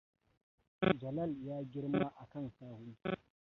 Jalal ya girma a kan sahu.